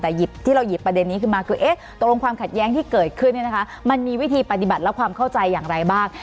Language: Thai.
แต่หยิบที่เราหยิบประเด็นนี้ขึ้นมาคือตกลงความขัดแย้งที่เกิดขึ้นมันมีวิธีปฏิบัติและความเข้าใจอย่างไรบ้าง